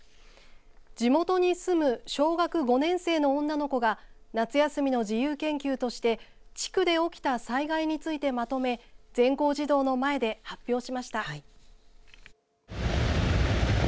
地元に住む小学５年生の女の子が夏休みの自由研究として地区で起きた災害についてまとめ全校児童の前で発表しました。